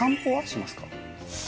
しますか？